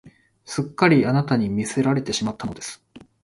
すっかりあなたに魅せられてしまったのです